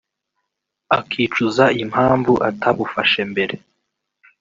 akicuza impamvu atabufashe mbere